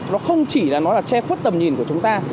nó không chỉ là nó là che khuất tầm nhìn của chúng ta